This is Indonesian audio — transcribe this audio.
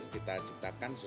kita ciptakan sesuatu